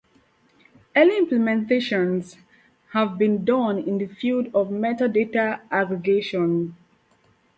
Early implementations have been done in the field of metadata aggregation.